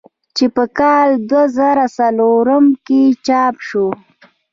چې پۀ کال دوه زره څلورم کښې چاپ شو ۔